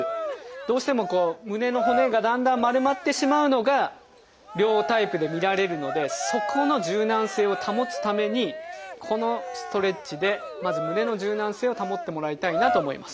どうしても胸の骨がだんだん丸まってしまうのが両タイプで見られるのでそこの柔軟性を保つためにこのストレッチでまず胸の柔軟性を保ってもらいたいなと思います。